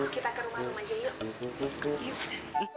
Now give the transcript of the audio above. kita ke rumah rumah aja yuk